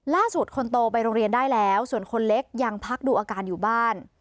คนโตไปโรงเรียนได้แล้วส่วนคนเล็กยังพักดูอาการอยู่บ้าน